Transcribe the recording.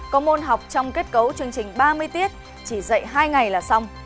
có môn học trong kết cấu chương trình ba mươi tiết chỉ dạy hai ngày là xong